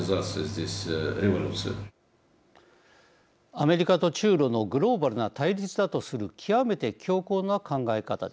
アメリカと中ロのグローバルな対立だとする極めて強硬な考え方です。